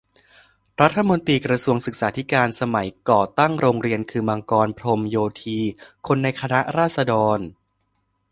รัฐมนตรีกระทรวงศึกษาธิการสมัยก่อตั้งโรงเรียนคือ มังกร พรหมโยธี คนในคณะราษฎร